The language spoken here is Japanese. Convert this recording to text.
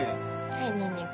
はいニンニク。